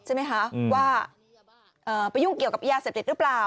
ใช่ไหมคะว่าไปยุ่งเกี่ยวกับยาเสพติดหรือเปล่า